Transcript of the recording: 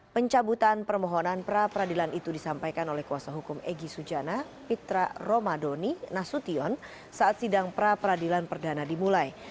pencabutan permohonan pra peradilan itu disampaikan oleh kuasa hukum egy sujana pitra romadoni nasution saat sidang pra peradilan perdana dimulai